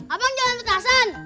apa yang jalan petasan